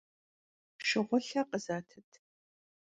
Şşığulher khızetıt.